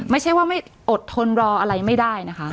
ไม่ใช่ว่าไม่อดทนรออะไรไม่ได้นะคะ